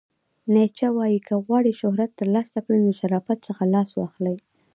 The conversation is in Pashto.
نیچه وایې، که غواړئ شهرت ترلاسه کړئ نو د شرافت څخه لاس واخلئ!